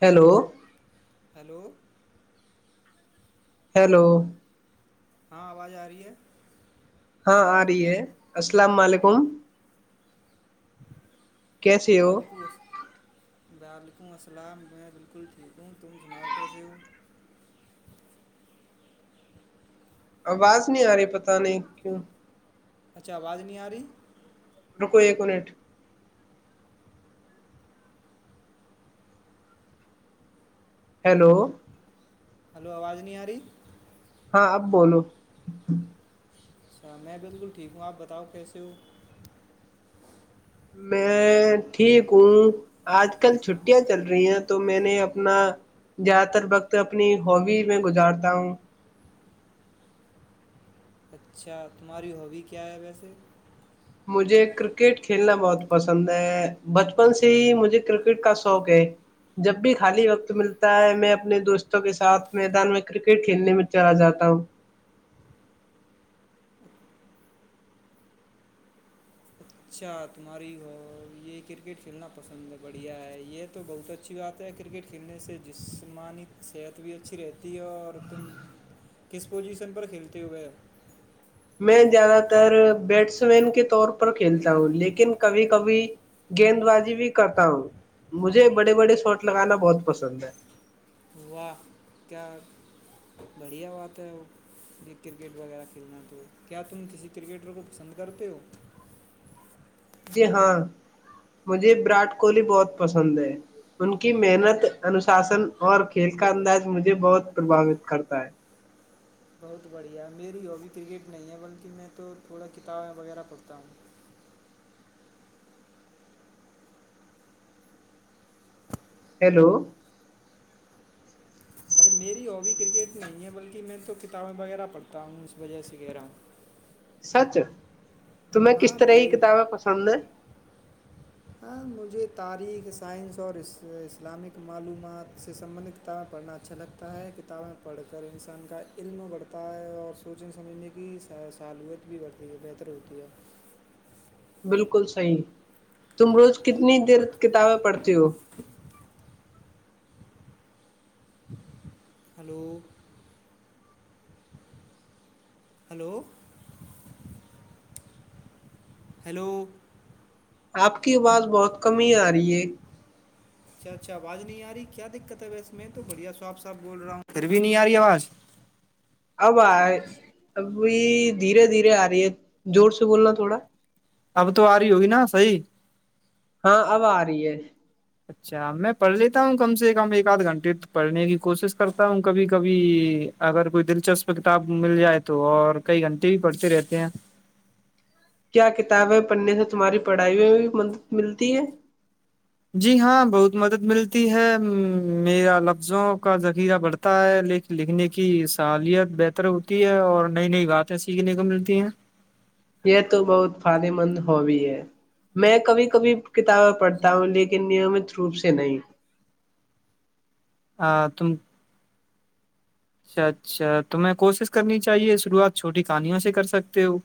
Hello hello hello کہاں آواز آ رہی ہے ہاں آ رہی ہے السلام علیکم کیسے ہو بالکس بال تم السلام میں بالکل ٹھیک ہوں تم سناؤ کیسے ہو آواز نہیں آ رہی پت نہیں کیوں اچھا آواز نہیں آ رہی کوئی نٹ ہیلو ہلو آواز نہیں آ رہی ہاں اب بولو اچھا میں بالکل ٹھیک ہوں آپ بتاؤ کیسے ہو میں ٹھیک ہوں آج کل چھٹیاں چل رہی ہیں تو میں نے اپنا زیادہ تر وقت اپنی ہبی میں گزارتا ہوں اچھا تمہاری ہابی کیا ہے ویسے مجھے کرکٹ کھیلنا بہت پسند ہے بچپن سے ہی مجھے کرکٹ کا شوق ہے جب بھی خالی وقت ملتا ہے میں اپنے دوستوں کے ساتھ میدان میں کرکٹ کھیلنے میں چلا جاتا ہوں اچھا تمہاری ہو یہ کرکٹ کھیلنا پسند ہے بڑھیا ہے یہ تو بہت اچھی بات ہے کرکٹ کھیلنے سے جسمانی صحت بھی اچھی رہتی ہے اور تم کس پوزیشن پر کھیلتے ہو گئے میں زیادہ تر بیٹس مین کے طور پر کھیلتا ہوں لیکن کبھی کبھی گیند بازی بھی کرتا ہوں مجھے بڑے بڑے شاٹ لگانا بہت پسند ہے واہ کیا بڑھیا بات ہے یہ کرکٹ وغیرہ کھیلنا تو کیا تم کسی کرکٹر کو پسند کرتے ہو جی ہاں مجھے وراٹ کوہلی بہت پسند ہے ان کی محنت انوشاسن اور کھیل کا انداز مجھے بہت پربھاوت کرتا ہے بہت بڑھیا ہے میری ہابی کرکٹ نہیں ہے بلکہ میں تو تھوڑا کتابیں وغیرہ پڑھتا ہوں ہیلو ارے میری ہابی کرکٹ نہیں ہے بلکہ میں تو کتابیں وغیرہ پڑھتا ہوں اس وجہ سے کہہ رہا ہوں سچ تمہیں کس ہاں طرح کی تھوڑی بہت کتابیں پسند ہیں ہاں مجھے تاریخ سائنس اور اسلامک معلومات سے سمبندھت کتابیں پڑھنا اچھا لگتا ہے کتابیں پڑھ کر انسان کا علم بڑھتا ہے اور سوچنے سمجھنے کی سالوت بھی بڑھتی ہے بہتر ہوتی ہے بالکل صحی تم روز کتنی دیر کتابیں پڑھتی ہو ہلو ہلو ہیلو آپ کی آواز بہت کم ہی آ رہی ہے اچھا اچھا آواز نہیں آ رہی کیا دقت ہے وس میں تو بڑھیا صو آپ صاحب بول رہا ہوں گھر بھی نہیں آ رہی آواز اب آ ابھی دھیرے دھیرے آ رہی ہے زور سے بولنا تھوڑا اب تو آ رہی ہوگی نا صی ہاں اب آ رہی ہے اچھا میں پڑھ لیتا ہوں کم سے کم ایک آدھ گھنٹے پڑھنے کی کوشش کرتا ہوں کبھی کبھی اگر کوئی دلچسپ کتاب مل جائے تو اور کئی گھنٹے بھی پڑھتے رہتے ہیں کیا کتابیں پڑھنے سے تمہاری پڑھائی میں بھی مدد ملتی ہے جی ہاں بہت مدد ملتی ہے میرا لفظوں کا ذخیرہ بڑھتا ہے ل لکھنے کی صلاحت بہتر ہوتی ہے اور نئی نئی باتیں سیکھنے کو ملتی ہیں یہ تو بہت فائدے مند ہابی ہے میں کبھی کبھی کتابیں پڑھتا ہوں لیکن نیمت روپ سے نہیں ہاں تم اچھا اچھا تو میںیں کوشش کرنی چاہیے شروعات چھوٹی کہانیوں سے کر سکتے ہو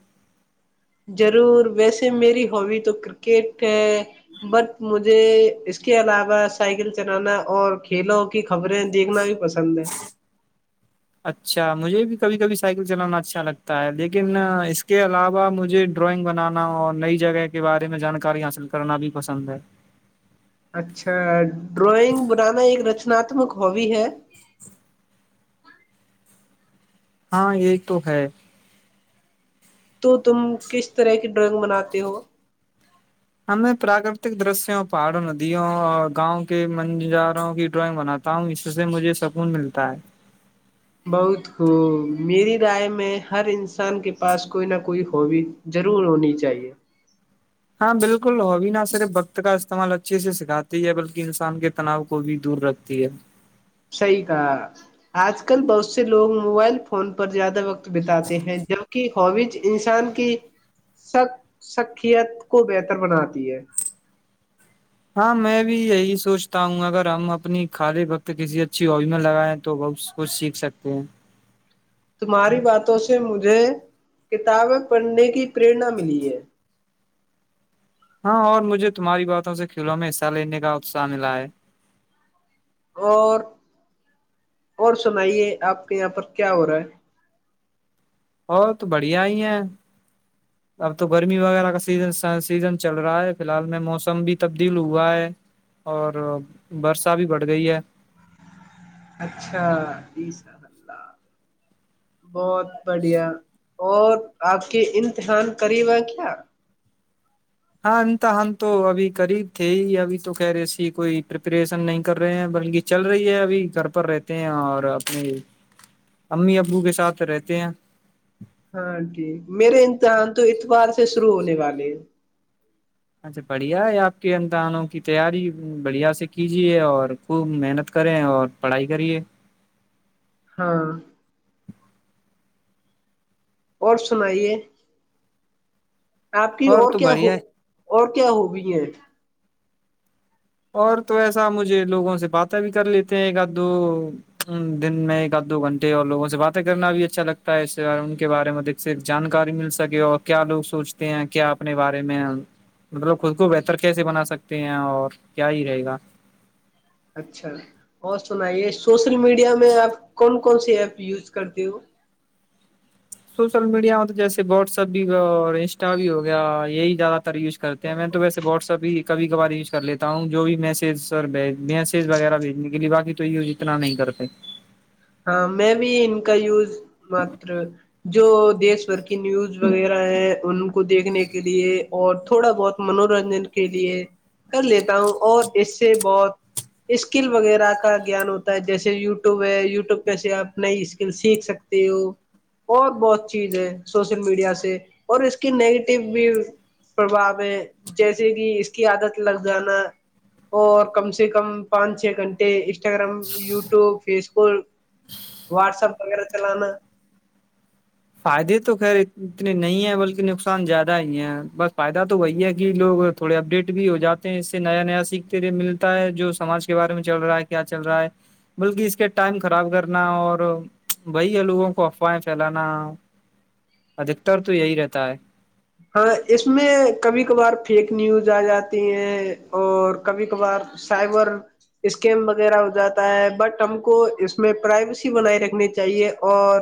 ضرور ویسے میری ہابی تو کرکٹ ہے بٹ مجھے اس کے علاوہ سائیکل چلانا اور کھیلوں کی خبریں دیکھنا بھی پسند ہے اچھا مجھے بھی کبھی کبھی سائیکل چلانا اچھا لگتا ہے لیکن اس کے علاوہ مجھے ڈرائنگ بنانا اور نئی جگہ کے بارے میں جانکاری حاصل کرنا بھی پسند ہے اچھا ڈرائنگ بنانا ایک رچناتمک ہابی ہے ہاں یہ تو ہے تو تم کس طرح کی ڈرائنگ بناتے ہو ہاں میں پراکرتک درشیوں پہاڑوں ندیوں اور گاؤں کے منجاروں کی ڈرائنگ بناتا ہوں اس سے مجھے سکون ملتا ہے بہت خ میری رائے میں ہر انسان کے پاس کوئی نہ کوئی ہوبی ضرور ہونی چاہیے ہاں بالکل ہووی نہ صرف وقت کا استعمال اچھے سے سکھاتی ہے بلکہ انسان کے تناؤ کو بھی دور رکھتی ہے صحیح کہا آج کل بہت سے لوگ موبائل فون پر زیادہ وقت بتاتے ہیں جبک خووج انسان کی سیت کو بہتر بناتی ہے ہاں میں بھی یہی سوچتا ہوں اگر ہم اپنی خالی وقت کسی اچھی وج میں لگائیں تو بہت کچھ سیکھ سکتے ہیں تمہاری باتوں سے مجھے کتابیں پڑھنے کی پررنا ملی ہے ہاں اور مجھے تمہاری باتوں سے کھیلوں میں حصہ لینے کا اتساہ ملا ہے اور اور سنائیے آپ کے یہاں پر کیا ہو رہا ہے بہت بڑھیا ہی ہیں اب تو گرمی وغیرہ کا سیز سیزن چل رہا ہے فی الحال میں موسم بھی تبدیل ہوا ہے اور برسا بھی بڑھ گئی ہے اچھای بہت بڑھیا اور آپ کے امتحان قریبا کیا ہاں انت ہم تو ابھی قریب تھے ہی ابھی تو کہہ رہے س کوئی پپریشن نہیں کر رہے ہیں بلکہ چل رہی ہے ابھی گھر پر رہتے ہیں اور اپنے امی ابو کے ساتھ رہتے ہیں ہاں جٹھ میرے امتحان تو اتوار سے شروع ہونے والے ہیں اچھا بڑھیا ہے آپ کے اندانوں کی تیاری بڑھیا سے کیجے اور خوب محنت کریں اور پڑھائی کریے ہاں اور سنائیے آپ کی اور تو کیا ہو بڑھیا اور کیا ہوگئی ہے اور تو ایسا مجھے لوگوں سے باتیں بھی کر لیتے ہیں ایک آدھ دو دن میں ایک آدھ دو گھنٹے اور لوگوں سے باتیں کرنا بھی اچھا لگتا ہے اس ان کے بارے میں دھ سے جانکاری مل سکے اور کیا لوگ سوچتے ہیں کیا اپنے بارے میں مطلب خود کو بہتر کیسے بنا سکتے ہیں اور کیا ہی رہے گا اچھا اور سنائیے سوشل میڈیا میں آپ کون کون سی ایپ یوز کرتے ہو سوشل میڈیا میں تو جیسے واٹس ایپ بھی ہو اور انسٹا بھی ہو گیا یہی زیادہ یز کرتے ہیں میں تو ویسےٹسپ ہی کبھی کبھار یوز کر لیتا ہوں جو بھی میسج س میسج وغیرہ بھیجنے کے لیے باقی تو یوز اتنا نہیں کر پ ہاں میں بھی ان کا یوز مات جو دیش بھر کی نیوز وغیرہ ہے ان کو دیکھنے کے لیے اور تھوڑا بہت منورنجن کے لیے کر لیتا ہوں اور اس سے بہت اسکل وغیرہ کا گیان ہوتا ہے جیسے یوٹیوب ہے ی وب پہ سے آپ نئی اسکل سیکھ سکتے ہو اور بہت چیز ہے سوشل میڈیا سے اور اس کی نگیٹو بھی پربھؤ ہے جیسے کہ اس کی عادت لگ جانا اور کم سے کم پانچ چھ گھنٹے Instagram YouTube Facebook WhatsApp وغیرہ چلانا فائدے تو خیر اتنے نہیں ہیں بلکہ نقصان زیادہ ہی ہیں بس فائدہ تو وہی ہے کہ لوگ تھوڑے اپڈیٹ بھی ہو جاتے ہیں اس سے نیا نیا سیکھتےئے ملتا ہے جو سماج کے بارے میں چل رہا ہے کیا چل رہا ہے بلکہ اس کے ٹائم خراب کرنا اور وہی ہے لوگوں کو افواہیں پھیلانا ادھکتر تو یہی رہتا ہے ہاں اس میں کبھی کبھار فیک نیوز آ جاتی ہیں اور کبھی کبھار سائبر اسکیم وغیرہ ہو جاتا ہے بٹ ہم کو اس میں پرائیویسی بنائی رکھنی چاہیے اور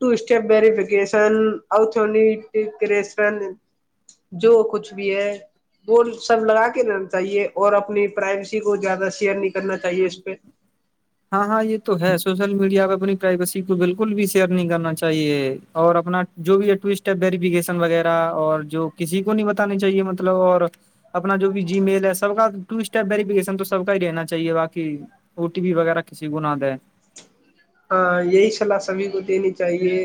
ٹو اسٹیپ ویریفکیشن جو کچھ بھی ہے وہ سب لگا کے لینا چاہیے اور اپنی پرائویسی کو زیادہ شیئر نہیں کرنا چاہیے اس پہ ہاں ہاں یہ تو ہے سوشل میڈیا پہ اپنی پرائیویسی کو بالکل بھی شیئر نہیں کرنا چاہیے اور اپنا جو بھی ٹو اسٹیپ ویریفکیشن وغیرہ اور جو کسی کو نہیں بتانا چاہیے مطلب اور اپنا جو بھی جی میل ہے سب کا ٹو اسٹیپ ویریفکیشن تو سب کا ہی رہنا چاہیے باقی او ٹی پی وغیرہ کسی کو نہ دیں ہاں یہی صلاح سبھی کو دینی چاہیے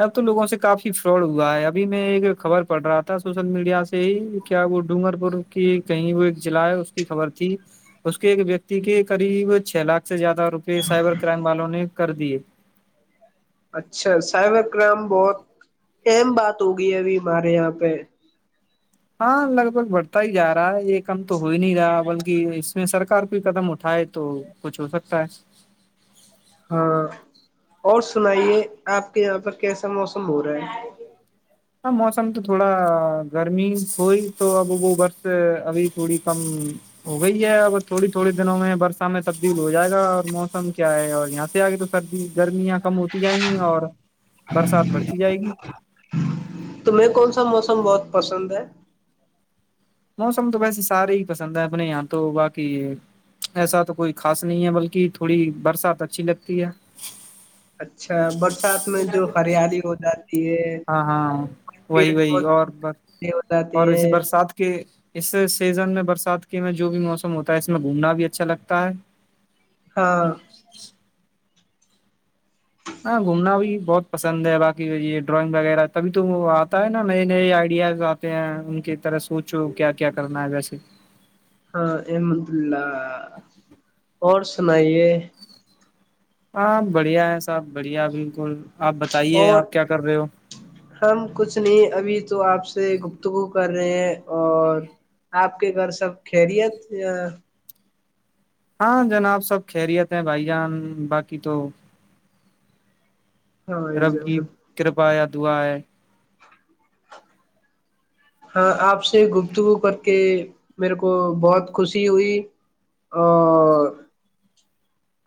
اب تو لوگوں سے کافی فراڈ ہوا ہے ابھی میں ایک خبر پڑ رہا تھا سوشل میڈیا سے ہی کیا وہ ڈونگگر پور کی کہیں وہ ایک جضلع ہے اس کی خبر تھی اس کے ایک ویکتی کے قریب چھ لاکھ زیادہ روپئے سائبر کرائم والوں نے کر دیے اچھا سائبر کرائم بہت اہم بات ہوگی ابھی ہمارے یہاں پہ ہاں لگ بھگ بڑھتا ہی جا رہا ہے ایک کم تو ہو ہی نہیں رہا بلکہ اس میں سرکار کوئی قدم اٹھائے تو کچھ ہو سکتا ہے ہاں اور سنائیے آپ کے یہاں پر کیسا موسم ہو رہا ہے ہاں موسم تو تھوڑا گرمی ہوئی تو اب وہ برس ابھی تھوڑی کم ہو گئی ہے اب تھوڑی تھوڑے دنوں میں برس میں تبدیل ہو جائے گا اور موسم کیا ہے اور یہاں سے آگے تو سردی گرمیاں کم ہوتی جائیں گی اور برسات بڑھتی جائے گی تمہیں کون سا موسم بہت پسند ہے موسم تو ویسے سارے ہی پسند ہیں اپنے یہاں تو باقی ایسا تو کوئی خاص نہیں ہے بلکہ تھوڑی برسات اچھی لگتی ہے اچھا برسات میں جو ہریالی ہو جاتی ہے ہاں ہاں پیڑ وہی وہی بت اور بس ہو جاتی اور اس ہے برسات کے اس سیزن میں برسات کے جو بھی موسم ہوتا ہے اس میں گھومنا بھی اچھا لگتا ہے ہاں [unintelligible] ہاں گھومنا بھی بہت پسند ہے باقی یہ ڈرائنگ وغیرہ تبھی تو وہ آتا ہے نا نئے نئے آئیڈیاز آتے ہیں ان کی طرح سوچو کیا کیا کرنا ہے ویسے ہاں احمد اللہ اور سنائیے ہاں بڑھیا ہے صاحب بڑھیا بلکل اور ہم کچھ نہیں ابھی تو آپ سے گفتگو کر رہے ہیں۔ اور آپ کے گھر سب خیریت؟ ہاں جناب سب خریت ہیں بھائی جان، باقی تو ہاں بھائی رب کی جان، کرپا یا دعا ہے ہاں آپ سے گفتگو کر کے میرے کو بہت خوشی ہوئی اور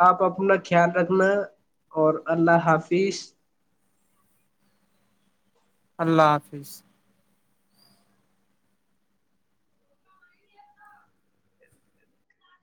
آپ اپنا خیال رکھنا اور اللہ حافظ اللہ حافظ